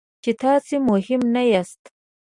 چې تاسو مهم نه یاست.